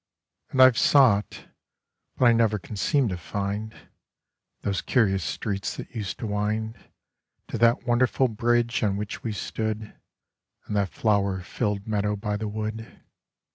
And I've sought, but I never can seem to find Those curious streets that used to wind To that wonderful bridge on which we stood, And that flower filled meadow by the wood.